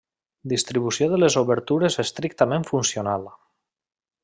Distribució de les obertures estrictament funcional.